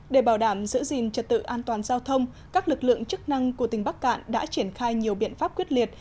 để bảo đảm giữ gìn trật tự an toàn giao thông các lực lượng chức năng của tỉnh bắc cạn đã triển khai nhiều biện pháp quyết liệt